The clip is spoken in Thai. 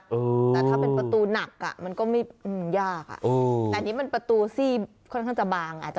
แต่ถ้าเป็นประตูหนักอ่ะมันก็ไม่ยากอ่ะแต่อันนี้มันประตูซี่ค่อนข้างจะบาง